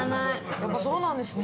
やっぱそうなんですね。